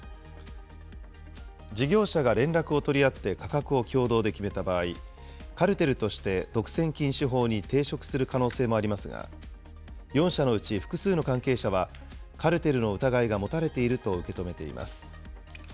事業者が連絡を取り合って価格を共同で決めた場合、カルテルとして独占禁止法に抵触する可能性もありますが、４社のうち複数の関係者は、カルテルの疑いが持たれていると受け止めています。